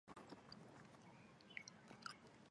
褐头凤鹛。